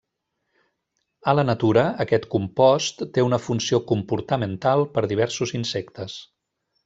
A la natura, aquest compost té una funció comportamental per diversos insectes.